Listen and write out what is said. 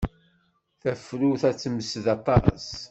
Tafrut-a temsed aṭas.